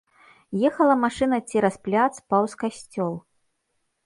Ехала машына цераз пляц паўз касцёл.